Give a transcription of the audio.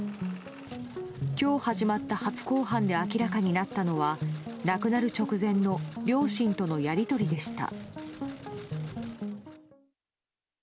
今日始まった初公判で明らかになったのは亡くなる直前の両親とのやり取りでした。